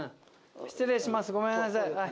失礼しますごめんなさい。